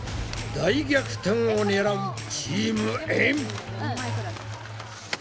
大逆転を狙うチームエん。